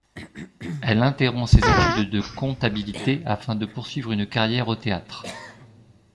Elle interrompt ses études de comptabilité afin de poursuivre une carrière au théâtre.